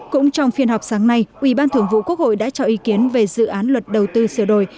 cũng trong phiên họp sáng nay ubthq đã cho ý kiến về dự án luật đầu tư sửa đổi